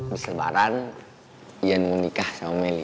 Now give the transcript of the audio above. berselbaran yan menikah sama meli